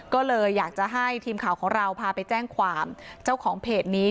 ก็เลยอยากจะให้ทีมข่าวของเราพาไปแจ้งความเจ้าของเพจนี้